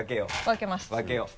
分けよう。